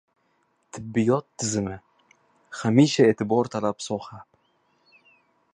Tibbiyot tizimi: hamisha e’tibortalab soha